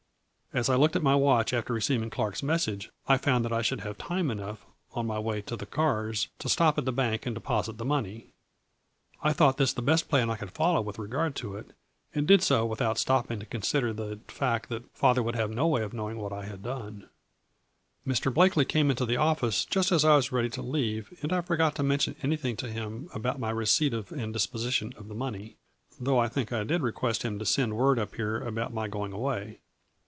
As I looked at my watch after receiving Clark's message, I found that I should have time enough, on my way to the cars, to stop at the bank and deposit the money. I thought this the best plan I could follow with regard to it, and did so without stopping to con sider the fact that father would have no way of knowing what I had done. 200 A FLURRY IN DIAMONDS. ' Mr. Blakely came into the office just as I was ready to leave and I forgot to mention any thing to him about my receipt of and disposition of the money, though I think I did request him to send word up here about my going away.